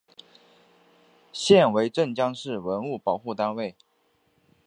现为镇江市文物保护单位。